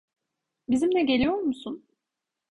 Bizimle geliyor musun?